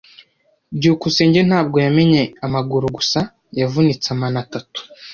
byukusenge ntabwo yamennye amaguru gusa. Yavunitse amano atatu.